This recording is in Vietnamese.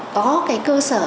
có cái cơ sở